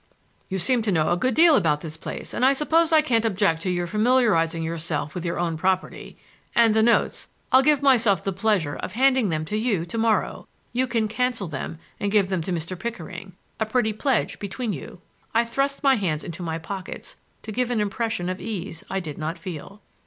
"You seem to know a good deal about this place, and I suppose I can't object to your familiarizing yourself with your own property. And the notes—I'll give myself the pleasure of handing them to you to morrow. You can cancel them and give them to Mr. Pickering,— a pretty pledge between you!" I thrust my hands into my pockets to give an impression of ease I did not feel.